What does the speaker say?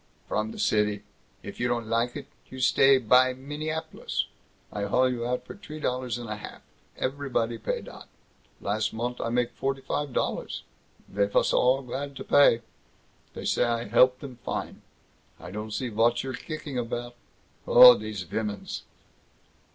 " from the city. If you don't like it, you stay bei Mineapolis! I haul you out for t'ree dollars and a half. Everybody pay dot. Last mont' I make forty five dollars. They vos all glad to pay. They say I help them fine. I don't see vot you're kickin' about! Oh, these vimmins!"